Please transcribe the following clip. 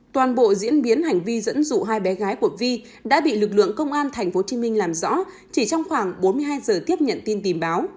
toàn bộ diễn biến hành vi dẫn dụ hai bé gái của vi đã bị lực lượng công an tp hcm làm rõ chỉ trong khoảng bốn mươi hai giờ tiếp nhận tin tìm báo